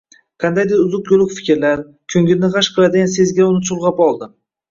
Qandaydir uzuq-yuluq fikrlar, ko`nglini g`ash qiladigan sezgilar uni chulg`ab oldi